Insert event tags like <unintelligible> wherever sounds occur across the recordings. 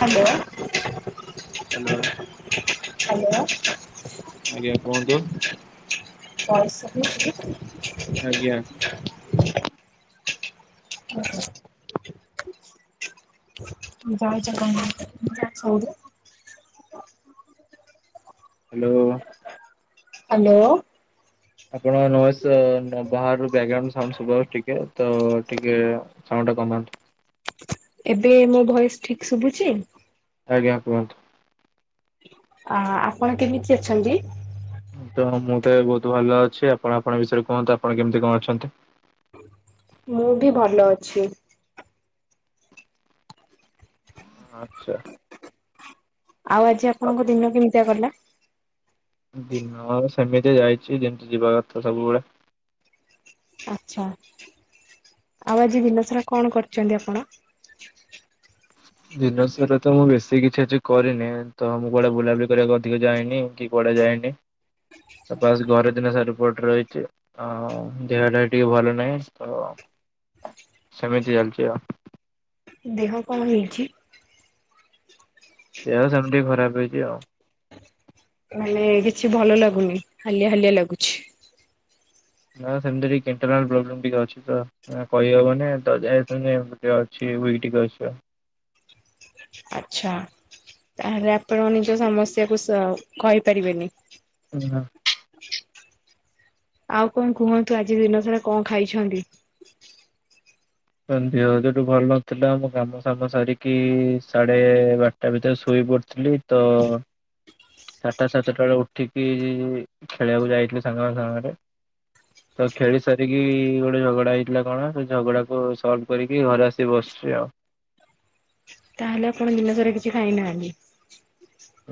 Hello hello hello ଆଜ୍ଞା କୁହନ୍ତୁ। <unintelligible> ଆଜ୍ଞା <unintelligible> <unintelligible> ହାଲୋ ହାଲୋ ଆପଣଙ୍କ ନଏସ୍ ବାହାରୁ ବ୍ୟାଗ୍ରାଉଣ୍ଡ ସାଉଣ୍ଡ ଶୁଭାଯାଉଚି ଟିକେ। ତ ଟିକେ ସାଉଣ୍ଡଟା କମାନ୍ତୁ। ଏବେ ମୋ ଭଏସ୍ ଠିକ୍ ଶୁଭୁଛି? ଆଜ୍ଞା କୁହନ୍ତୁ। ଅ ଆପଣ କେମିତି ଅଛନ୍ତି? ତ ମୁଁ ତ ଏବେ ବହୁତ ଭଲ ଅଛି ଆପଣ ଆପଣଙ୍କ ବିଷୟରେ କୁହନ୍ତୁ ଆପଣ କେମିତି କଣ ଅଛନ୍ତି? ମୁଁ ବି ଭଲ ଅଛି। ଆଚ୍ଛା ଆଉ ଆଜି ଆପଣଙ୍କ ଦିନ କେମିତିଆ ଗଲା? ଦିନ ସେମିତିଆ ଯାଇଚି ଯେମିତି ଯିବା କଥା ସବୁବେଳେ। ଆଚ୍ଛା, ଆଉ ଆଜି ଦିନସାରା କଣ କରିଚନ୍ତି ଆପଣ? ଦିନସାରା ତ ମୁଁ ବେଶୀ କିଛି ଆଜି କରିନି ତ ମୁଁ କୁଆଡେ ବୁଲାବୁଲି କରିଆକୁ ଅଧିକ ଯାଏନି। କି କୁଆଡେ ଯାଏନି ତ ବାସ୍ ଘରେ ଦିନସାରା ପଡିରହିଚି। ହଁ ଦେହଟା ଟିକେ ଭଲ ନାଇଁ ତ ସେମିତି ଚାଲିଚି ଆଉ। ଦେହ କଣ ହେଇଛି? ଦେହ ସେମତି ଖରାପ ହେଇଚି ଆଉ। ମାନେ କିଛି ଭଲ ଲାଗୁନି ହାଲିଆ ହାଲିଆ ଲାଗୁଛି। ନାଁ ସେମିତି ଟିକେ ଇଣ୍ଟରନାଲ ପ୍ରୋବ୍ଲେମ ଟିକେ ଅଛି ତ। କହିହବନି ତ <unintelligible> ଅଛି ୱିକ୍ ଟିକେ ଅଛି ଆଉ ଆଚ୍ଛା ତାହେଲେ ଆପଣ ନିଜ ସମସ୍ୟାକୁ ସା କହିପାରିବେନି। ନା ଆଉ କଣ କୁହନ୍ତୁ ଆଜି ଦିନସାରା କଣ ଖାଇଛନ୍ତି? ତ ଦେହ ହରିକା ଭଲ ନଥିଲା ଆମ କାମ ସାମ ସାରିକି ସାଡେ ବାରଟା ଭିତରେ ଶୋଇ ପଡିଥିଲି। ତ ଚାରିଟା ସାଡେଚାରିଟା ବେଳେ ଉଠିକି ଖେଳିଆକୁ ଯାଇଥିଲି ସାଙ୍ଗମାନ ସାଙ୍ଗରେ। ତ ଖେଳିସାରିକି ଗୋଟେ ଝଗଡା ହେଇଥିଲା କଣ ସେ ଝଗଡା କୁ ସଲ୍ଫ କରିକି ଘରେ ଆସିି ବସଛି ଆଉ। ତାହେଲେ ଆପଣ ଦିନସାରା କିଛି ଖାଇନାହାଁନ୍ତି।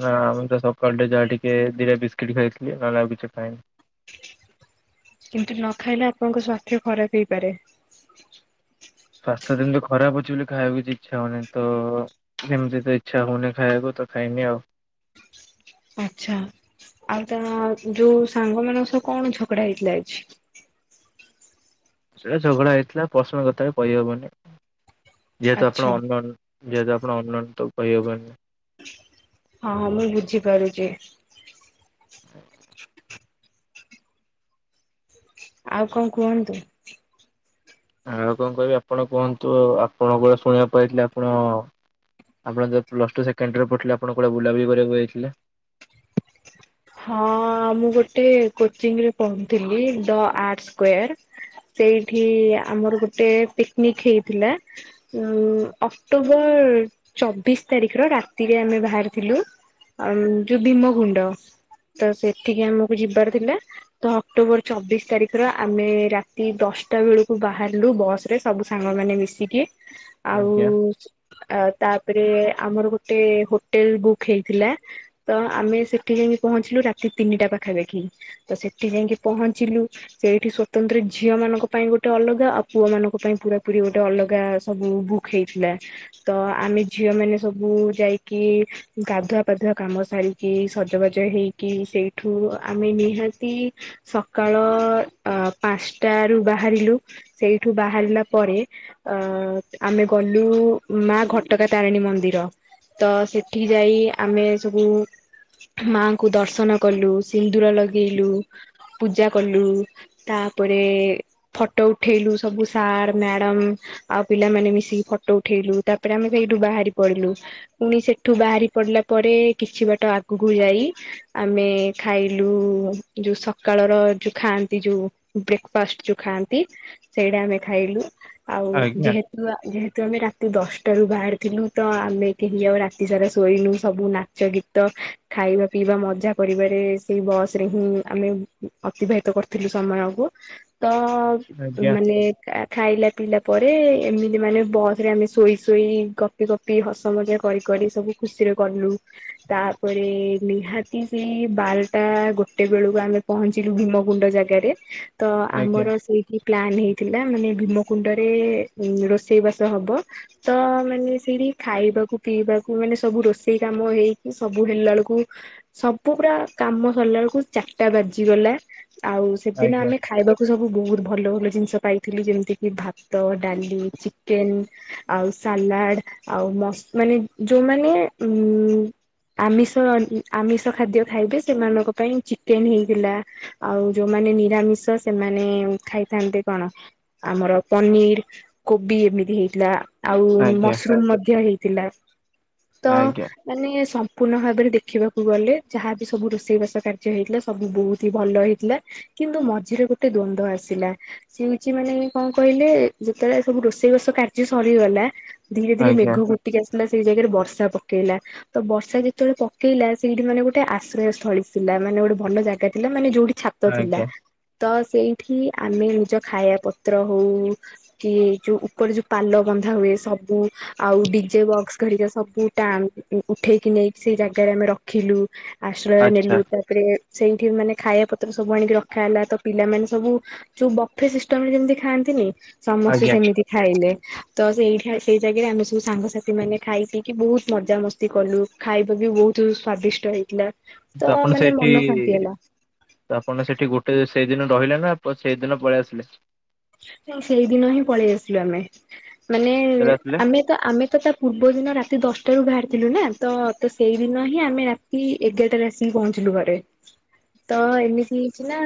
ନା ମୁଁ ତ ସକାଳେ ଟି ଯାହା ଟିକେ ଦିଟା ବିସ୍କିଟ୍ ଖାଇଥିଲି ନହେଲେ ଆଉ କିଛି ଖାଇନି। କିନ୍ତୁ ନ ଖାଇଲେ ଆପଣଙ୍କ ସ୍ଵାସ୍ଥ୍ୟ ଖରାପ ହେଇପାରେ। ସ୍ଵାସ୍ଥ୍ୟ ଯେମିତି ଖରାପ ଅଛି ବୋଲି ଖାଇଆକୁ କିଛି ଇଚ୍ଛା ହଉନି ତ ଏମିତିରେ ତ ଇଚ୍ଛା ହଉନି ଖାଇଆକୁ ତ ଖାଇନି ଆଉ। ଆଚ୍ଛା ଆଉ ତମ ଯୋଉ ସାଙ୍ଗମାନଙ୍କ ସହ କଣ ଝଗଡା ହେଇଥିଲା ଆଜି? ଏଟା ଝଗଡା ହେଇଥିଲା ପର୍ସନାଲ କଥା ଏ କହିହବନି ଯେହେତୁ ଆପଣ ଆଚ୍ଛା। ଅନୋ ଯଦପଣ ଅଲାଇନ ତ କହିହି ହବନି। ହଁ ହଁ ମୁଇଁ ବୁଝିପାରୁଛି। ହ ଆଉ କଣ କୁହନ୍ତୁ? ଆ କଣ କହିବି ଆପଣ କୁହନ୍ତୁ ଆପଣଙ୍କ ଗ ଶୁଣିବାକୁ ପାଇଥିଲେ ଆପଣ ଆପଣ ପ୍ଲ ଟୁ ସେଣ୍ଡରେ ପିଢିଲେ ଆପଣ ବୁଲବୁଲି କରିବାକୁ ଯାଇଥିଲେ। ହଁ ମୁଁ ଗୋଟେ କୋଚିଂ ରେ ପଢ଼ୁଥିଲି ଦ ଆର୍ଟ ସ୍କ୍ବାର। ସେଇଠି ଆମର ଗୋଟେ ପିକନିକ ହେଇଥିଲା। ଉ ଅକ୍ଟୋବର ଚବିଶ ତାରିଖ ର ରାତିରେ ଆମେ ବାହାରିଥିଲୁ। ଆଉ ଯୋଉ ଭୀମଗୁଣ୍ଡ। ତ ସେଠିକି ଆମକୁ ଯିବାର ଥିଲା ତ ଅକ୍ଟୋବର ଚବିଶ ତାରିଖ ର ଆମେ ରାତି ଦଶଟା ବେଳକୁ ବାହାରିଲୁ ବସ ରେ। ସବୁ ସାଙ୍ଗମାନୋନେ ମିଶିକି। ଆଉ ଆଜ୍ଞା। ତାପରେ ଆମର ଗୋଟେ ହୋଟେଲ ବୁକ୍ ହେଇଥିଲା। ତ ଆମେ ସେଠି ଯାଇକି ପହଞ୍ଚିଲୁ ରାତି ତିନିଟା ପାଖାପାଖି। ତ ସେଠି ଯାଇକି ପହଞ୍ଚିଲୁ। ସେଇଠି ସ୍ଵତନ୍ତ୍ର ଝିଅ ମାନଙ୍କ ପାଇଁ ଗୋଟେ ଅଲଗା ଆଉ ପୁଅ ମାନଙ୍କ ପାଇଁ ପୁରା ପୁ ଗୋଟେ ଅଲଗା ସବୁ ବୁକ୍। ଖଇଥିଲା ତ ଆମେ ଝିଅ ମାନେ ସବୁ ଯାଇକି ଗାଧୁଆ ପାାଧୁଆ କାମ ସାରିକି ସଜବାଜ ହେଇକି ସେଇଠୁ ଆମେ ନିହାତି ସକାଳ ପାଞ୍ଚଟାରୁୁ ବାହାରିଲୁ ସେଇଠୁ ବାହାରିଲା ପରେ ଅ ଆମେ ଗଲୁ ମା ଘଟଗାଁ ତାରିଣୀ ମନ୍ଦିର। ତ ସେଠି ଯାଇ ଆମେ ସବୁ ମାଙ୍କୁ ଦର୍ଶନ କଲୁ ସିନ୍ଦୁର ଲଗେଇଲୁ ପୂଜା କଲୁ। ତାପରେ ଫଟୋ ଉଠେଇଲୁ ସବୁ ସାର୍ ମ୍ୟାଡାମ। ଆଉ ପିଲାମାନୋନ ମିଶିକି ଫଟୋ ଉଠେଇଲୁ ତାପରେ ଆମେ ସେଇଠୁ ବାହାରି ପଡିଲୁ। ପୁଣି ସେଠୁ ବାହାରି ପଡିଲା ପରେ କିଛି ବାଟ ଆଗକୁ ଯାଇ ଆମେ ଖାଇଲୁ ଯୋଉ ସକାଳର ଯୋଉ ଖାଆନ୍ତି ଯୋଉ। ବ୍ରେକ୍ଫାଷ୍ଟ ଯୋଉ ଖାଆନ୍ତି ସେଇଟା ଆମେ ଖାଇଲୁ ଆଉ ଆଜ୍ଞା ଯେ ଯେହେତୁ ଆମେ ରାତି ଦଶଟାରୁୁ ବାହାରିଥିଲୁ ତ ଆମେ କେହି ଆଉ ରାତି ସାରା ଶୋଇନୁ ସବୁ ନାଚ ଗୀତ ତ ଖାଇବା ପିଇବା ମଜା କରିବାରେ ସେଇ ବସ ରେ ହିଁ ଆମେ ଅତିବାହିତ କରିଥିଲୁ ସମୟକୁ ତ ଆଜ୍ଞା ମାନେ ଖାଇଲା ପିଇଲା ପରେ ଏମିତି ମାନେ ବସ୍ରରେ ଆମେ ଶୋଇ ଶୋଇ ଗପି ଗପି ହସ ମଜା କରି କରି ସବୁ ଖୁସିରେ କଲୁ ତାପରେ ନିହାତି ସେଇ ବାରଟା ଗୋଟେ ବେଳକୁ ଆମେ ପହଞ୍ଚିଲୁ ଭୀମକୁୁଣ୍ଡ ଜାଗାରେ ତ ଆମର ସେଇଠି। ପ୍ଲାନ ହେଇଥିଲା ମାନେ ଭୀମକୁୁଣ୍ଡରେ ରୋଷେଇବାସ ହବ। ତ ମାନେ ସେଇଠି ଖାଇବାକୁ ପିଇବାକୁ ମାନେ ସବୁ ରୋଷେଇ କାମ ହେଇକି ସବୁ ସବୁ ହେଲା ବେଳକୁ ସବୁ ପା କାମ ସରିଲା ବେଳକୁ ଚାରିଟା ବାଜିଗଲା। ଆଉ ସେଦିନ ଆଜ୍ଞା ଆମେ ଖାଇବାକୁ ମୁ ସବୁ ବହୁତ ଭଲ ଭଲ ଜିନିଷ ପାଇଥିଲି ଯେମିତି କିି ଭାତ ଡାଲି ଚିକେନ ଆଉ ସାଲାଡ ଆଉ ମାନେ ଯୋଉମାନେ ଉ ଆମିଷ ଆମିଷ ଖାଦ୍ୟ ଖାଇବେ ସେମାନଙ୍କ ପାଇଁ ଚିକେନ ହେଇଥିଲା। ଆଉ ଯୋଉମାନେ ନିରାମିଷ ସେମାନେ ଖାଇଥାନ୍ତେ କଣ? ଆମର ପନିର କୋବି ଏମିତି ହେଇଥିଲା। ଆଉ ଆଜ୍ଞା ମସରୁମ ମଧ୍ୟ ହେଇଥିଲା ତ ଆଜ୍ଞା ଆଜ୍ଞା ମାନେ ପୁର୍ଣ ଭାବରେ ଦେଖିବାକୁ ଗଲେ ଯାହାବି ସବୁ ରୋଷେଇବାସ କାର୍ଯ୍ୟ ହେଇଥିଲା ସବୁ ବହୁତ ହି ଭଲ ହେଇଥିଲା। କିନ୍ତୁ ମଝିରେ ଗୋଟେ ଦ୍ଵନ୍ଦ ଆସିଲା। ସେଉଛି ମାନେ କଣ୍ କହିଲେ ଯେତେବେଳେ ସବୁ ରୋଷେଇବାଷ କାର୍ଯ୍ୟ ସରିଗଲା। ଧୀରେ ଧୀରେ ଆଜ୍ଞା ମେଘୁ ଫୁଟିକି ଆସିଲା ସେଇ ଜାଗାରେ ବର୍ଷା ପକେଇଲା ତ ବଷା ସେ ଯେତେବେଳେ ପକେଇଲା ସେଇଠି ମାନେ ଗୋଟାଏ ଆଶ୍ରୟ ସ୍ଥୀ ଥିଲା ମାନେ ଗୋଟାଏ ଭଲ ଜାଗା ଥିଲା ମାନେ ଯୋଉଠି ଛା ଥିଲା ଆଜ୍ଞା ତ ସେଇଠି ଆମେ ନିଜ ଖାଇବା ପତ୍ର ହଉ। କି ଯୋଉ ଉପରେ ଯୋଉ ପାଲ ବନ୍ଧା ହୁଏ ସବୁ। ଆଉ ଡିଜେ ବକ୍ସ ଘଡିକା ସବୁ ଉଠେଇ କି ନେଇକି ସେଇ ଜାଗାରେ ଆମେ ରଖିଲୁ ଆଶ୍ରୟ ଆଚ୍ଛା ନେଲୁ। ତାପରେ ସେଇଠି ମାନେ ଖାଇବା ପତ୍ର ସବୁ ଆଣିକି ରଖା ହେଲା ତ ପିଲାମାନୋନ ସବୁ ଯୋଉ ବଫେ ସିଷ୍ଟମ ରେ ଯେମିତି ଖାଆନ୍ତିନି ସମସ୍ତେ ଆଜ୍ଞା ସେମିତି ଖାଇଲେ ତ ସେଇଠା ସେଇ ଜାଗାରେ ଆମେ ସବୁ ସାଙ୍ଗସାଥି ମାନେ ଖାଇ ପିଇକି ବହୁତ ମଜାମସ୍ତି କଲୁ। ଖାଇବା ବି ବହୁତ ସ୍ଵାଦିଷ୍ଟ ହେଇଥିଲା ତ ଆପଣ ମାନେ ସେଇଠି ମନ ଶାନ୍ତି ହେଲା। ତ ଆପଣ ସେଠି ଗୋଟିଏସେଇଦିନ ରହିଲେ ନା ସେଇଦିନ ପଳେଇ ଆସିଲେ। ସେଇଦିନ ହିଁ ପଳେଇ ଆସିଲୁ ଆମେ ମାନେ କେତେବେଳେ ଆସିଲେ ଆମେ ତ ଆମେ ତ ତା ପୂର୍ବ ଦିନ ରାତି ଦଶଟାରୁୁ ବାହାରିଥିଲୁ ନା ତ ତ ସେଇଦିନ ହିଁ ଆମେ କି ଏଗାରଟାରେ ଆସିକି ପହଞ୍ଚିଲୁ ଘରେ। ତ ଏମିତି ହେଇଛି ନା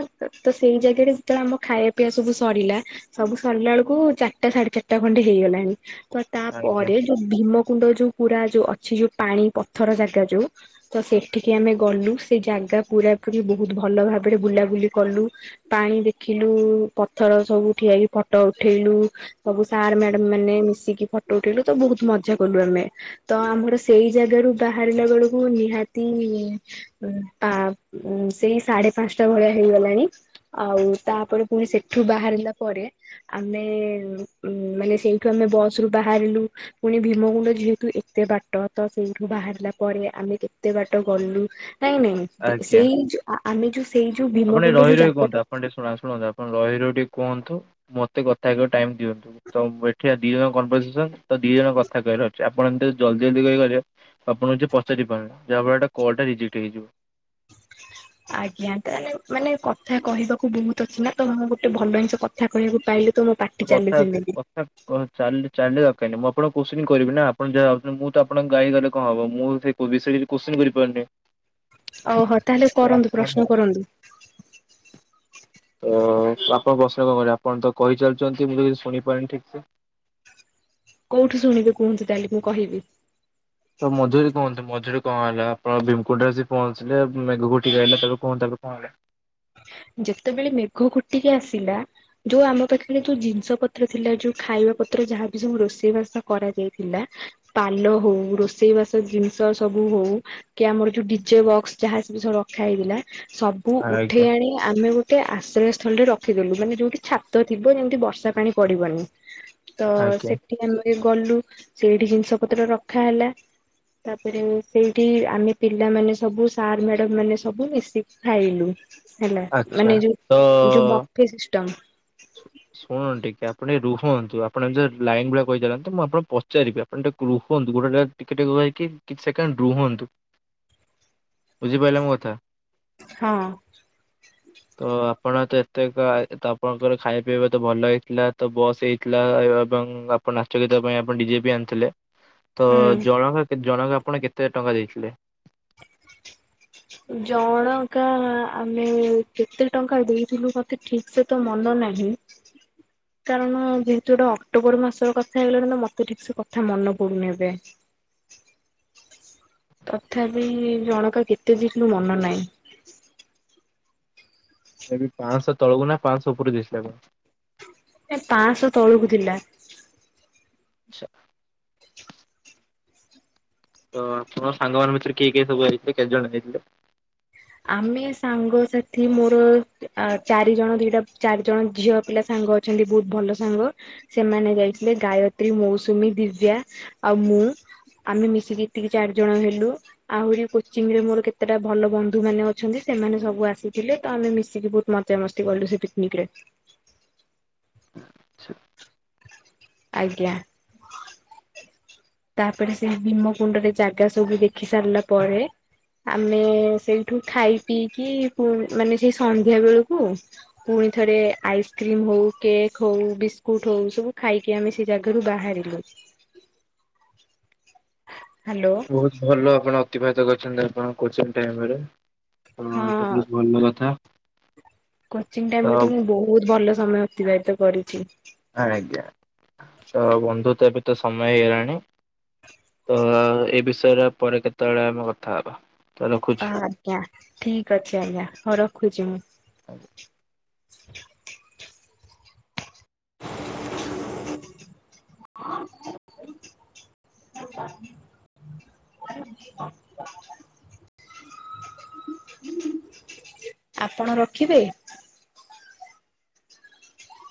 ତ ସେଇ ଜାଗାରେ ଯେତେବେଳେ ଆମ ଖାଇବା ପିଇବା ସବୁ ସରିଲା। ସବୁ ସରିଲା ବେଳକୁ ଚାରିଟା ସାଢେ ଚାରିଟା ଖଣ୍ଡେ ହେଇଗଲାଣି ତ ଆଜ୍ଞା ତାପରେ ଯୋଉ ଭୀମକୁୁଣ୍ଡ ଯୋଉ ପୁରା ଯୋଉ ଅଛି ଯୋଉ ପାଣି ପଥର ଜାଗା ଯୋଉ ତ ସେଠିକି ଆମେ ଗଲୁ ସେ ଜାଗା ପୁରା ପୁରିବହୁତ ଭଲ ଭାବରେ ବୁଲାବୁଲି କଲୁ। ପାଣି ଦେଖିଲୁ ପଥର ସବୁ ଉଠଆଇକି ଫଟୋ ଉଠେଇଲୁ ସବୁ ସାର୍ ଆଜ୍ଞା ମ୍ୟାଡ ମାନେ ମିଶିକି ଫ ଫଟୋ ଉଠେଇିଲୁ ତ ବୋହୁତ ମଜା କଲୁ ଆମେ। ତ ଆମର ସେଇ ଜାଗାାରୁ ବାହାରିଲା ବେଳକୁ ନିହାତି- ସେଇ ସାଢେ ପାଞ୍ଚଟା ଭଳିଆ ହେଇଗଲାଣି। ଆଉ ତାପରେ ପୁଣି ସେଠୁ ବାହାରଲ। ପରେ ଆମେ ମାନେ ସେଇଠୁ ଆମେ ବସ୍ ରୁ ବାହାରିଲୁ ପୁଣି ଭୀମକୁୁଣ୍ଡ ଯେହେତୁ ଏତେ ବାଟ ତ ସେଇଠୁ ବାହାରିଲା ପରେ ଆମେ କେତେ ବାଟ ଗଲୁ ନାଇଁ ନାଇଁ ଆଜ୍ଞା ସେଇ ଯୋଉ ଆମେ ଯୋଉ ସେଇ ଯୋଉ ଆପଣ ଭୀମକୁଣ୍ଡ ଟ ଯୋଉ ରହି କୁହନ୍ତୁ ଜାଗାଟା ଆପଣ ଟିକିଏ ଶ ଶୁଣନ୍ତୁ ଆପଣ ରହି ର ଟିକିଏ କୁହନ୍ତୁ ମତେକଥା କହିବାକୁ ଟାଇମ ଦିଅନ୍ତୁ? ତ ଏଠିଆ ଦିଇ ଜଣ କମ୍ପସେନ ତ ଦିଇ ଜଣ କଥା କହିବାର ଅଛି ଆପଣ ଏମିତି ଜଲଦି ଜଲଦି କହିପିବେ ଆପଣଙ୍କୁ ଯିଏ ପଚାରି ପାରିବେ ଯାହା ଫଳରେ କଲ୍ ଟା ରିଯେକେଟ୍ ହେଇଯିବ। ଆଜ୍ଞା ତାହେ ମାନେ କଥା କହିବାକୁ ବହୁତ ଅଛି ନା ତେ ଗୋଟାଏ ଭଲ ଜିନଷ କଥା କହିବାକୁ ପାଇଲେ ତ ପାଟି ତ ଚାଲେ କଥା ସେମିତି କଥା ଓ ଚା ଚାଲିବା ଦରକାର ନାହିଁ ମୁଁ ଆପଣକୁ କୋସିି କରିବି ନା ଆପଣ ଯାହାଭାବୁଚନ୍ତି ମୁଁ ତ ଆପଣଙ୍କ ଗାଈ ଗଲେ କଣ୍ ହବ ମୁଁ ସେ କୋଉ ବିଷୟ ରେ କିଛି କୋଶ୍ଚି କରିପାରୁନେ। ଓହୋ ତାହେଲେ କରନ୍ତୁ ପ୍ରଶ୍ନ କରନ୍ତୁ? ତ ଆପଣ ପ୍ରଶ୍ନ କଣ୍ କରିବେ ଆପଣ ତ କହିଚାଲିଚନ୍ତି ମୁଁ ତ କିଛି ଶୁଣିପାରିନି ଠିକ୍ ସେ? କୋଉଠୁ ଶଣିବେ କୁହନ୍ତୁ ତାହେଲେ ମୁଁ କହିବି। ତ ମଝୀରି କୁହନ୍ତୁ ମଝୀର କଣ ହେଲା ଆପଣ ଭୀମକୁଟରେ ଆସି ପହଞ୍ଚିଲେ ମେଘକୁ ଘୋଟିକି ଆଇଲା ତାପରେ କୁହନ୍ତୁ ତାପରେ କଣ୍ ହେଲା? ଯେତେବେଳେ ମେଘ ଘୋଟିକି ଆସିଲା ଯୋଉ ଆମ ପାଖରେ ଯୋଉ ଜିନିଷ ପତ୍ର ଥିଲା ଯୋଉ ଖାଇବା ପତ୍ର ଯାହାବି ସବୁ ରୋଷେଇବାସ କରାଯାଇଥିଲା ପାଲ ହୋଉ ରୋଷେଇବାସ ଜିନିଷ ସବୁ ହୋଉ କି ଆମର ଯୋଉ ଡିଜେ ବକ୍ସ ଯାହା ସ ସବୁ ରଖା ହେଇଥିଲା ସବୁ ଉଠେଇ ଆଜ୍ଞା ଆଣି ଆମେ ଗୋଟିଏ ଆଶ୍ରୟ ସ୍ଥଳ ରେ ରଖିେଲୁ ମାନେ ଯୋଉଠି ଛାତ ଥିବ ଯେମିତି ବର୍ଷା ପାଣି ପଡିବନି। ତ ଆଜ୍ଞା ସେଠି ଆମେ ଗଲୁ ସେଇଠି ଜିନିଷ ପତ୍ର ରଖା ହେଲା ତାପରେ ସେଇଠି ଆମେ ପିଲାମାନୋନ ସବୁ ସାର୍ ମ୍ୟାଡମ ମାନେ ସବୁ ମିଶିକି ଖାଇଲୁ। ହେଲା ଆଚ୍ଛା ମାନେ ତ ଯୋଉ ଯୋଉ ବମ୍ଫସିଷ୍ଟମ। ଶୁଣଟିକେ ଏଆପଣ ଟିକେ ରୁହନ୍ତୁ ଆପଣ ଯୋଉ ଲାଇନ୍ ଗୁରା କହିଚାଲନ୍ତୁ ମୁଁ ଆପଣକୁ ପଚାରିବି ଆପଣ ଟିକିଏରୁହନ୍ତୁ ଗୋଟାଏ ଟିକେ ଟିକେ କହିଇକି କିଛି ସେକେଣ୍ଡ ରୁ ହୁଅନ୍ତୁ ବୁଝିପାରିଲା ମୋ କଥା? ହଁ। ତ ଆପଣ ତ ଏତେ ଆପଣଙ୍କର ଖାଇବା ପିଇବା ତ ଭଲ ହେଇଥିଲା ତ ବସ୍ ହେଇ ଥିଲା ଏବଂ ଆପଣ ନାଚ ଗୀତ ପାଇଁ ଆପଣ ଡିଜେ ବି ଆଣିଥିଲେ? ତ ହୁଁ ଜଣଙ୍କା ଜଣଙ୍କା ଆପଣ କେତେ ଟଙ୍କା ଦେଇଥିଲେ? ଜଣକାା ଆମେ କେତେ ଟଙ୍କା ଦେଇଥିଲୁ ମତେ ଠିକ୍ ସେ ତ ମନ ନାହିଁ। କାରଣ ଯେହେତୁ ଗୋଟେ ଅକ୍ଟୋବର ମାସ କଥା ହେଇଗଲାଣି ତ ମତେ ଠିକ୍ ସେ କଥା ମନେ ପଡୁନେଇ ଏବେ। ତଥାପି ଜଣଙ୍କା କେତେ ଦେଇଥିଲୁ ମନେ ନାହିଁ। ଏବେ ପାଞ୍ଚଶହ ତଳକୁ ନା ପାଞ୍ଚଶହ ଉପରେରୁ ଦେଇଥିଲେ ଆପଣ? ନାଇଁ ପାଞ୍ଚଶହ ତଳକୁ ଥିଲା। ଆଛା। ତ ଆପଣ ସାଙ୍ଗ ମାନଙ୍କ ଭିତରୁ କିଏ କିଏ ସବୁ ଆଇଥିଲେ କେତେ ଜଣ ହେଇଥିଲେ? ଆମେ ସାଙ୍ଗସାଥି ମୋର ଆ ଚାରିଜଣ ଦିଟା ଚାରିଜଣ ଝିଅ ପିଲା ସାଙ୍ଗ ଅ ଛନ୍ତି ବହୁତ୍ ଭଲ ସାଙ୍ଗ। ସେମାନେ ଯାଇଥିଲେ ଗାୟତ୍ରୀ, ମୌସୁମୀ, ଦିବ୍ୟା ଆଉ ମୁଁ। ଆମେ ମିଶିକି ଏତିକି ଚାରି ଜଣ ହେଲୁ, ଆହୁରି କୋଚିଂରେ ମୋର କେତେଟା ଭଲ ଯୋଉମାନେ ଅଛନ୍ତି ସେମାନେ ସବୁ ଆସିଥିଲେ ତ ଆମେ ମିଶିକି ବହୁତ୍ ମଜାମସ୍ତି କଲୁ ସେ ପିକ୍ନିକ୍ ରେ। ଆଜ୍ଞା। ତାପରେ ସେଇ ଭୀମ କୁଣ୍ଡରେ ଜାଗା ସବୁ ଦେଖି ସାରିଲା ପରେ ଆମେ ସେଇଠୁ ଖାଇ ପିଇକି ମାନେ ସେଇ ସନ୍ଧ୍ୟା ବେଳୁକୁ ପୁଣି ଥରେ ଆଇସ୍କ୍ରିମ୍ ହଉ କେକ୍ ହଉ ବିସ୍କୁଟ ହଉ ସବୁ ଖାଇକି ଆମେ ସେ ଜାଗାରୁ ବାହାରିଲୁ, ହାଲୋ। ବହୁତ୍ ଭଲ ଆପଣ ଅତିବାହିତ କରିଚନ୍ତି ଆପଣଙ୍କ କୋଚିଂ ଟାଇମ୍ ରେ। ତ ହଁ ଏଟା ବି ଭଲ କଥା। କୋଚିଂ ତ ଟାଇମ୍ ରେ କିନ୍ତୁ ମୁଁ ବହୁତ୍ ଭଲ ସମୟ ଅତିବାହିତ କରିଚି। ଆଜ୍ଞା ତ ବନ୍ଧୁ ତ ଏବେ ତ ସମୟ ହେଇଗଲାଣି ତ ଏ ବିଷୟରେ ପରେ କେତବଳେ ଆମେ କଥା ହେବା। ଆଜ୍ଞା, ଠିକ୍ ଅଛି ଆଜ୍ଞା ହଉ ରଖୁଚି ମୁଁ। ଆ <inaudible> <inaudible> ଆପଣ ରଖିବେ?